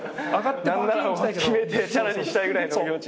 何なら決めてチャラにしたいぐらいの気持ち。